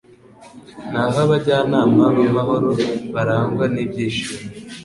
naho abajyanama b’amahoro barangwa n’ibyishimo